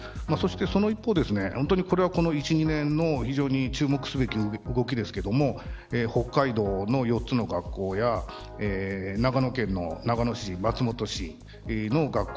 その一方でこの１、２年の注目すべき動きですけど北海道の４つの学校や長野県の長野市、松本市の学校